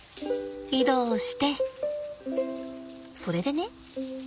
移動してそれでね。